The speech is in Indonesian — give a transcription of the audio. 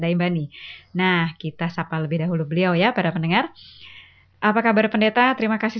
ya ku tahu sendiri